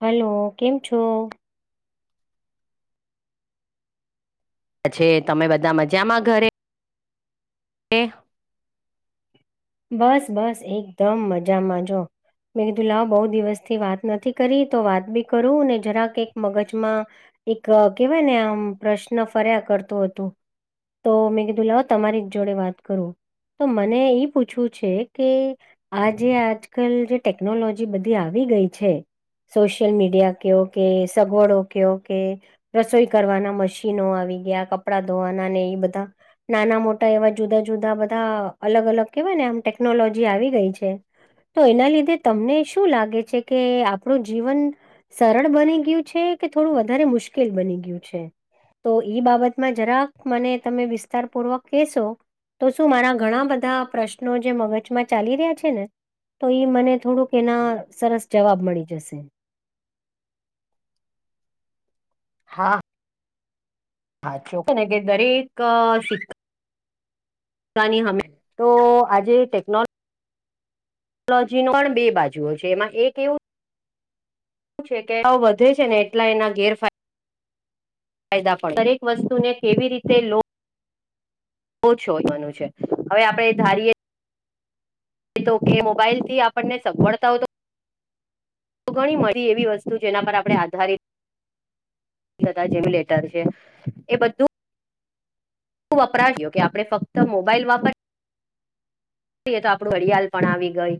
Hello, કેમ છો? પછે તમે બધા મજામાં ઘરે. એ બસ, બસ, એકદમ મજામાં જો. મે કીધું લાવ બહુ દિવસ થી વાત નથી કરી, તો વાત બી કરું ને જરાક એક મગજમાં એક કેહેવાય ને આમ પ્રશ્ન ફર્યા કરતો હતો. તો મેં કીધું લાવો તમારી જ જોડે વાત કરું તો મને ઈ. પૂછવું છે કે આ જે આજકાલ જે ટેકનોલોજી બધી આવી ગઈ છે. સોશિયલ મીડિયા ક કે સગવડો ક કે રસોઈ કરવાના મશીનો આવી ગયા કપડા ધોવાના ને એ બધા નાના મોટા એવા જુદા જુદા બધા અલગ અલગ કેવાય ને આમ ટેકનોલોજી આવી ગઈ છે. તો એના લીધે તમને શું લાગે છે કે આપણું જીવન સરળ બની ગયું છે કે થોડું વધારે મુશ્કેલ બની ગયું છે. તો ઈ બાબતમાં જરાક મને તમે વિસ્તાર પૂર્વક કહેશો તો શું મારા ઘણા બધા પ્રશ્નો જે મગજમાં ચાલી રહ્યા છે ને. તો ઈ મને થોડુંક એના સરસ જવાબ મળી જશે. હા હાોકને કે દરેક શિક્ હમે તો આજે ટેકનોલો લોજી ન પણ બે બાજુઓ છે એમાં એક એવું વધે છે ને એટલા એના ગેરફાયદા ફાયદા પણ દરેક વસ્તુને કેવી રીતે લો ઓછો એવાનું છે, હવે આપડે ધારીએે તો કે મોબાઈલ થી આપણને સભળતા હો તો ઘણી મળી એવી વસ્તુ જેના પર આપણે આધારિત જેમ લેટર છે એ બધું વપરાશ્યો કે આપણે ફક્ત મોબાઈલ વાપર તે આપડું હડિયાળ પણ આવી ગઈ.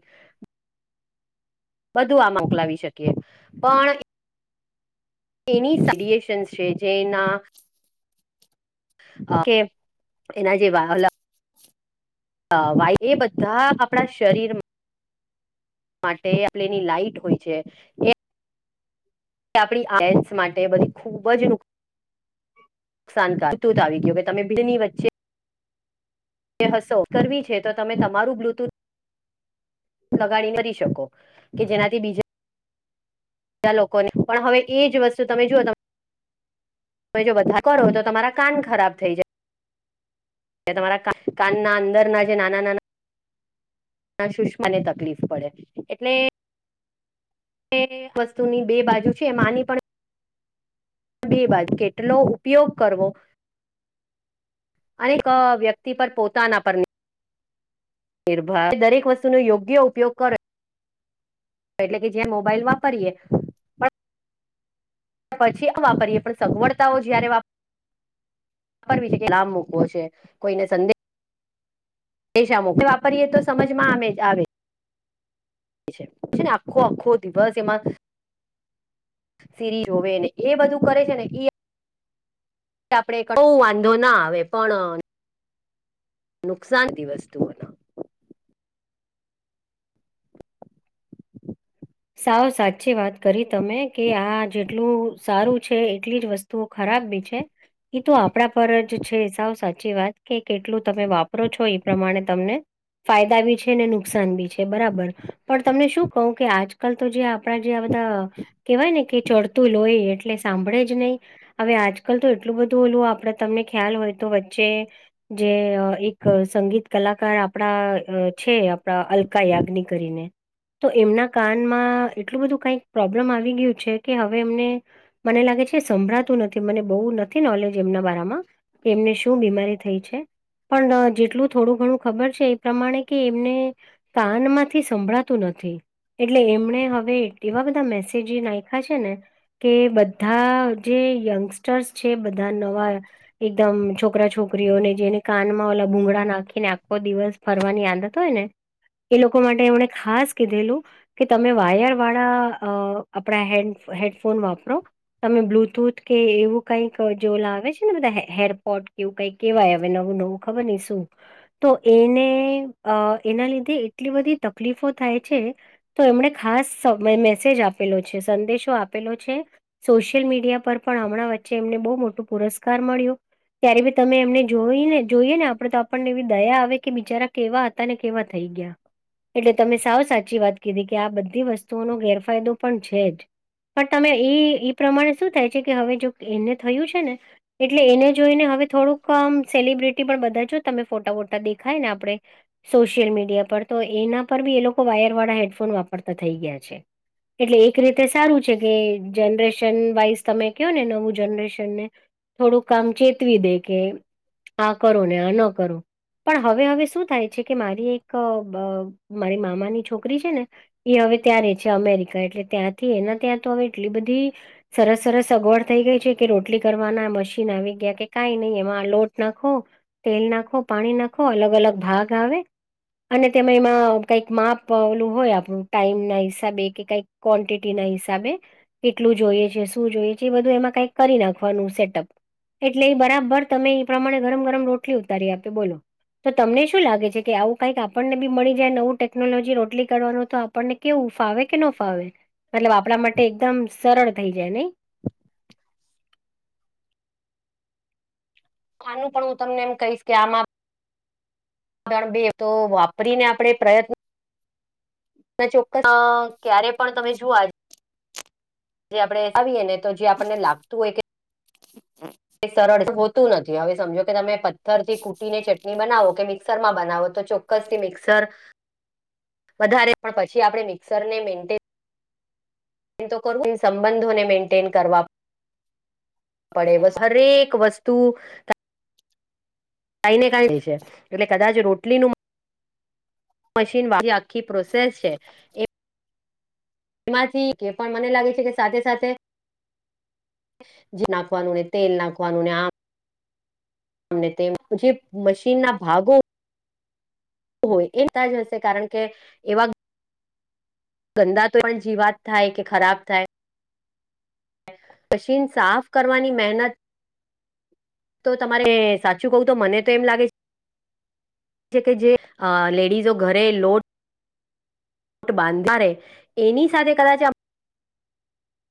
બધું આ મોકલાવી શકીએ પણ એની સએેશન્ છે જેના ઓકે એના જેવા હ વાય એ બધા આપણા શરીરમાં માટે આપ એની લાઈટ હોય છે. એ આપણી આયસ માટે બધી ખુબ જ નુક નુકાન ત તો આવી ગયો કે તમે ભીની વચ્ચે હસો કરવી છે, તો તમે તમારું બ્લુટુથ લગાડી નથી શકો કે જેનાથી બીજા લોકોને પણ હવે એજ વસ્તુ તમે જુઓ ત તમે જો બધા કરો તો તમારા કાન ખરાબ થઈ જાય. તમારા કાન ના અંદરના જે નાના નાના સુષ્માને તકલીફ પડે એટલે વસ્તુ ની બે બાજુ છે માની પણ એ બાજ કેટલો ઉપયોગ કરવો. અનેક વ્યક્તિ પર પોતાના પર નિર્ભ દરેક વસ્તુ નો યોગ્ય ઉપયોગ કરે. એટલે કે જે્યા મોબાઈલ વાપરીએ. પણ પછી આ વાપરીએ પણ સગવડતાઓ જયારે વાપ લાભ મૂકવો છે કોઈને સંદેશ. પ શામાં કે વાપરીએ તો સમજમાં આવે જ આવે. છે ને આખો આખો દિવસ એમાં સિરી હોવે ને એ બધું કરે છે ને એ આપણે બ વાંધો ના આવે પણ. નુકસાન થી વસ્તુ હોય. સાવ સાચી વાત કરી તમે કે આ જેટલું સારું છે એટલી જ વસ્તુ. તો ખરાબ બી છે. એ તો આપણા પર જ છે સાવ સાચી વાત કે કેટલું તમે વાપરો છો એ પ્રમાણે તમને ફાયદા બી છે અનેને નુકસાન બી છે બરાબર પણ તમને શું કહું કે આજ આલ તો જે આપણા જે આ બધા કેવાય ને કે ચડતું લોહી એટલે સાંભળે જ નહી. હવે આજકાલ તો એટલું બધું ઓલું આપડ તમને ખ્યાલ હોય તો વચ્ચે જે- એક સંગીત- કલાકાર આપણા છે આપણા અલકા યાજ્ની કરીને તો એમના કાનમાં એટલું બધું કઈક પ્રોબ્લેમ આવી ગયું છે કે હવે એમને મને લાગે છે સંભળાતું નથી મને બહુ નથી નોલેજ એમના બરામાં- એમને શું બીમારી થઈ છે. પણ જેટલું થોડું ઘણું ખબર છે એ પ્રમાણે કે એમને કાન માંથી સંભળાતું નથી- એટલે એમણે હવે એવા બધા મેસેજ નાખ્યા છે. ને- કે બધા જે યંગસ્ટર્સ છે બધા નવા- એકદમ છોકરા છોકરીઓને જેને કાનમાં ઓલા ભૂગળા નાખીને આખો દિવસ- ફરવાની આદત હોય ને એ લોકો માટે એમણે ખાસ કીધેલું કે તમે વાયર વાળા અ આપણા હે હેડફોન વાપરો તમે બ્લુટૂથ કે એવું કઈક જો લાવે છે ને બધા હેરપોટ કેવું કઈક- કેવાય હવે નવું નવું ખબર નહી શું તો એને અ એના લીધે એટલી બધી તકલીફો થાય છે. તો એમણે ખાસ મેસેજ આપેલો છે સંદેશો આપેલો છે. સોશિયલ મીડિયા પર પણ હમણાં વચ્ચે એમને બહુ મોટો પુરસ્કાર મળ્યો- ત્યારે બી તમે એમને જોઈ ને જોઈએ ને આપડે તો આપણને એી દયા આવે કે બિચારા કેવા હતા- ને કેવા થઈ ગયા એટલે તમે સાવ સાચી વાત- કીધ કે આ બધી વસ્તુઓનો ગેરફાયદો પણ છે. જ પણ તમે એ એ પ્રમાણે શું થાય છે કે હવે જો એને થયું છે ને એટલે એને જોઈને હવે થોડુંકમ સેલિબ્રિટી પણ બધા જો તમે ફોટા બોટા દેખાય ને આપડણે- સોશિયલ મીડિયા પર તો એના પર બી એ લોકો વાયર વાળા હેડફોન વાપરતા થઈ ગયા છે. એટલે એક રીતે સારું છે કે જનરેશન વાઈઝ તમે કહયો ને નવું જનરેશન ને- થોડુંક કામ ચેતવી દે કે આ કરો ને આ ન કરો- પણ હવે હવે શું થાય છે કે મારી એક મારી મામાની છોકરી છે. ને- એ હવે ત્યાં રહે છે અમેરિકા એટલે ત્યાંથી એના ત્યાં તો હવે એટલી બધી- સરસ સરસ અગવડ થઈ ગઈ છે કે રોટલી કરવાના મશીન આવી ગયા કે કઈ નહી એમાં લોટ નાખો તેલ નાખો પાણી નાખો અલગ અલગ ભાગ આવે- અને તેમે એમાં કઈક માપલું હોય આપ- ટાઈમ ના હિસાબે કે કઈ ક્વોન્ટિટી ના હિસાબે- કેટલું જોઈએ છે શું જોઈએ છે એ બધું એમાં કઈક કરી નાખવાનું સેટઅપ- એટલે એ બરાબર તમે એ પ્રમાણે ગરમ ગરમ રોટલી ઉતારી આપે બોલો- તો તમને શું લાગે છે કે આવું કઈક આપણને બી મળી જાય નવું ટેકનોલોજી રોટલી કરવાનું- તો આપણને કેવું ફાવે કે ન ફાવે મતલબ આપણા માટે એકદમ સરળ થઈ જાય નહી- આનું પણ હું તમને એમ કહીશ કે આમાં- બે તો વાપરીને આપણે પ્રયત્ન- ના ચોક્કસ ક્યારે પણ તમે જુઓ આજે- જે આપણેે આવીએ ને તો જે આપણને લાગતું હોય- અ [unintelligible] સરળ હોતું નથી હવે સમજો કે તમે પથ્થર થી કૂટીને ચટણી બનાવો કે મિક્સરમાં બનાવો તો ચોખખ- કસી મિક્સર- [inaudible] વધારે પણ પછી આપડે મિક્સર ને મેન્ટેન- તો સંબંધોને મેન્ટેન કરવા- પડે બસ હરેક વસ્તુ- ને ક છે એટલે કદાચ રોટલીનું મશીન વા આખી પ્રોસેસ છે એ એમાંથી કે પણ મને લાગે છે કે સાથે સાથે જે નાખવાનું ને તેલ નાખવાનું ને આમ તમને તેમ જે મશીન ના ભાગો હોય એ તજ હશે કારણ કે એવા ગંદા તો પણ જીવાત થાય કે ખરાબ થાય મશીન સાફ કરવાની મહેનત તો તમારે સાચું કવું તો મને તો એમ લાગે કે જે લેડીઝો ઘરે લોટ બાંધ એની સાથે કદાચ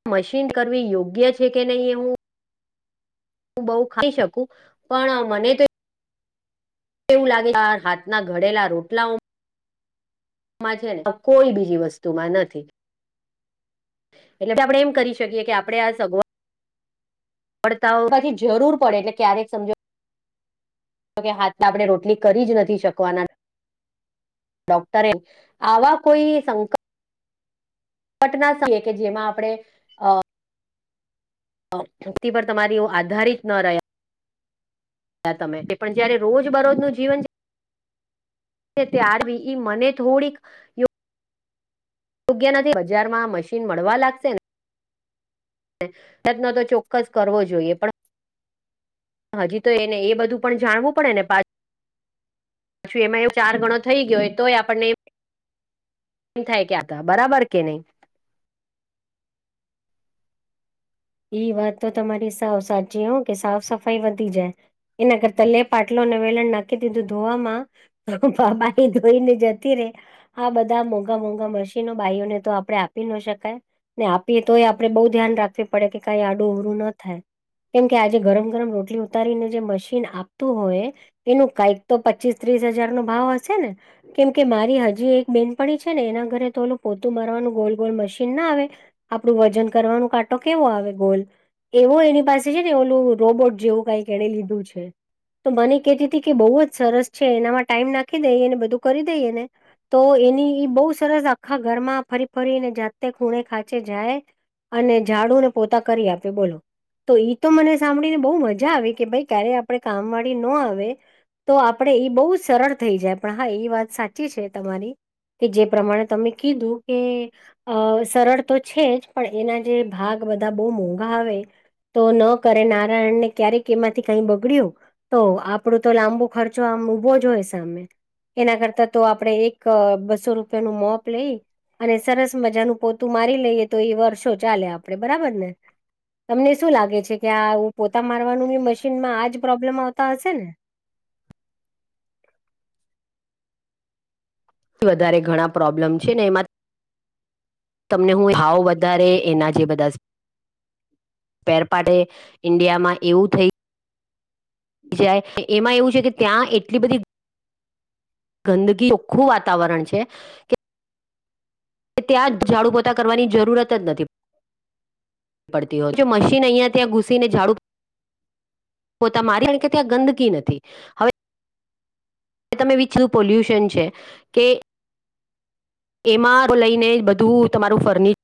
મશીન કરવી યોગ્ય છે કે નહીિ એ હું. હું બઉ ખાઈ શકું પણ મને તો એવું લાગે આ હાથના ઘડેલા રોટલા માં છે ને કોઈ બીજી વસ્તુમાં નથી એટલે આપણે એમ કરી શકીએ કે આપડે આ સગવા પડતા પછી જરૂર પડે એટલે ક્યારેક સમજો તો કે હાથમાં આપણે રોટલી કરી જ નથી શકવાના ડોક્ટરે આવા કોઈ સંક ઘટના સય કે જેમાં આપણે અ મુક્તિ પર તમારી એવું આધારિત ન રહ્યા તમે એ પણ જય રોજ બરોજ નું જીવન તારવી ઈ મને થોડીક યોગ્ય નથી બજાર માં મશીન મળવા લાગશે પ્રયત્ન તો ચોક્કસ કરવો જોઈએ પણ હાજી તો એને એ બધું પણ જાણવું પડે ને પછી એમાં એવ ચાર ગણો થઈ ગયોય તોય આપણને એમ થાય કે્યા હતા બરાબર કે નહી એઈ વાત તો તમારી સા સાચી હો કે સાફ સફાઈ વધી જાય એના કરતા લે પાટલોને વેલણ નાખી દીધું ધોવામાં તો પામાા એ ધોઈને જતી રે આ બધા મોંઘા મોંઘા મશીનો બાાઈઓને તો આપડે આપી ન શકાય ને આપીએ તો એ આપડે બહુ ધ્યાન રાખવી પડે કે કઈ આડું ઉરું ન થાય કેમ કે આજે ગરમ ગરમ રોટલી ઉતારીને જે મશીન આપતું હોય એનું કંઈક તો પચીસ ત્રીસ હજાર નો ભાવ હશે ને કેમ કે મારી હજી એક બેનપડી છે ને એના ઘરે તો ઓલું પોતું મારવાનું ગોલ ગોલ મશીન ના આવે આપડું વજન કરવાનું કા કેવો આવે ગોલ એવો એની પાસે છે ને ઓલું રોબોટ જેવું કઈક એને લીધું છે. તો મને કેતી હતીી કે બહુ જ સરસ છે એનામાં ટાઈમ નાખી દઈએ ને બધું કરી દઈએ ને તો એની ઈ બહુ સરસ આખા ઘરમાં ફરી ફરીને જાતે ખૂણે ખાંચે જાય અને ઝાડુ ને પોતા કરી આપે બોલો તો ઈ તો મને સાંભળીને બહુ મજા આવે કે ભાઈ ક્યારે આપણે કામ વાળી ન આવે તો આપણે એ બહુ સરળ થઈ જાય પણ હા એ વાત સાચી છે તમારી કે જે પ્રમાણે તમે કીધું કે અ સરળ તો છે જ પણ એના જે ભાગ બધા બહુ મોંઘા આવે તો ન કરે નારાયણને ક્યારેક એમાંથી કઈ બગડ્યું તો આપડું તો લાંબુ ખર્ચો આમ ઉઊભો જ હોય સામે એના કરતાં તો આપડે એક બસો રૂપિયા નું મોપ લઈ અને સરસ મજાનું પોતું મારી લઈએ તો એ વર્ષો ચાલે. આપણેે બરાબર ને. તમને શું લાગે છે કે આું પોતા મારવાનું મશીનમાં આજ પ્રોબ્લેમ આવતા હશે ને વધારે ઘણા પ્રોબ્લેમ છે ને એમાં તમને હું હાવ વધારે એના જે બધા પેરપાટેે ઈન્ડિયા માં એવું થઈ જાય એમાં એવું છે કે ત્યાં એટલી બધી ગંદકી ઓખું વાતાવરણ છે કે કે ત્યાં ઝાડુ પોતા કરવાની જરૂરત જ નથી. પડતી હોય. જો મશન અિયાં ત્યાં ઘુસી ને ઝડ પોતા મારી એણ કે ત્યાં ગંદકી નથી. હવે તમે વિું પોલ્યુશન છે કે એમાં લઈ ને બધું તમારું ફર્નિચર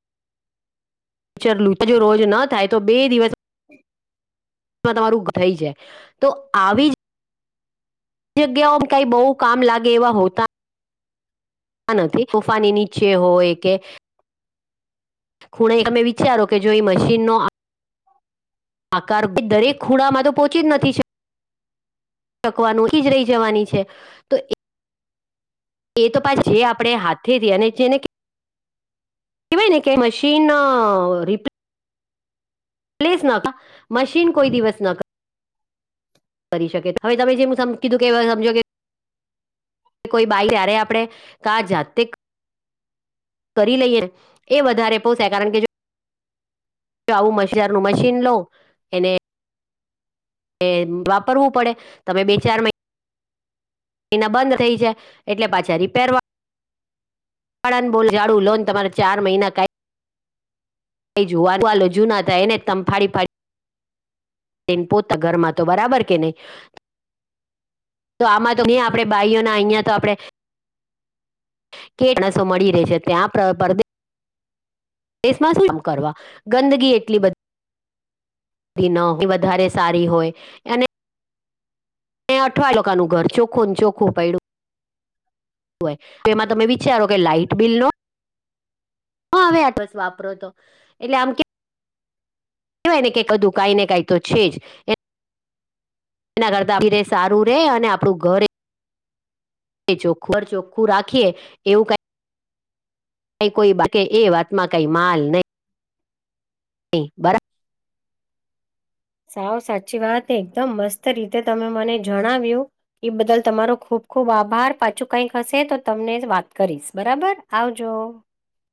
વિચરલું જો રોજ ન થાય તો બે દિવસ તમારું થઈ જાય. તો આવી જ જગ્યાઓમાં કઈ બહુ કામ લાગે એવા હોતા નથી. તોફાની નીચે હોય કે ખૂણે એ તમે વિચારો કે જો એ મશીનનો આકાર દરેક ખૂડામાં તો પોહોંચી જ નથી શ શકવાનું જ રહી જવાની છે તો. એ તો પા જે આપડે હાથેથી અને જેને કવાય ને કે મશીન રિપ્ પ્લેસ ન મશીન કોઈ દિવસ ન કરી શકે હવે તમે જે હ કીધું કે સમજો કે કોઈ બાઈ ત્યારે આપડે તો આ જાતે કરી લઈએને એ વધારે પોષાય. કારણ કે જો જો આવું મ્ીર નું મશીન લો એને એ વાપરવું પડે. તમે બે ચાર મહિ ને બંધ થઇ છે એટલે પાછા રિપેરળ બોલ જાડું લોન તમારે ચાર મહિના કા લ જુ ના હતા એને તમફાળડી પાડી ને પોતા ઘરમાં તો બરાબર કે નહી. તો આમાં તો નહી આપે ભાઈઓ ના અહિયાં તો આપડે કે માણસો મળી રહી છે. ત્યાં માં શું કરવા ગંદગી એટલી બધી ન વધારે સારી હોય એ એ અઠવાડિયા લોકોનું ઘર ચોખ્ખું ન ચોખ્ખું પડ્યું. હોય તો એમાં તમે વિચારો કે લાઈટબિલનો હ હવે, આટલો જ વાપરો હતો. એટલે આમ- કહેવાય ને કે કું કાઈ ને કઈ તો છે જ. એના કરતા આપ રે સારું રે અને આપણુ ઘરે ચોખ્ખું પર ચોખ્ખું રાખીએ એવું કઈ ક કોઈ બા એ વાતમાં કઈ માલ નહી. બરાબર. સાવ સાચી વાત. એકદમ મસ્ત રીતે તમે મને જણાવ્યું. એ બદલ તમારો ખુબ ખુબ આભાર. પાછું કઈક હશે, તો તમને વાત કરીશ બરાબર. આવજો.